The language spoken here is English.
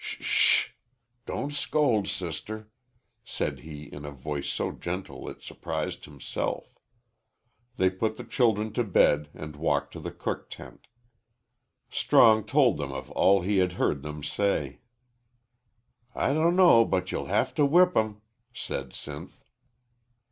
"Sh h h! Don't scold, sister," said he, in a voice so gentle it surprised himself. They put the children to bed and walked to the cook tent. Strong told of all he had heard them say. "I dunno but you'll have to whip 'em," said Sinth.